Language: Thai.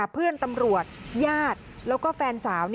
เพื่อนตำรวจญาติแล้วก็แฟนสาว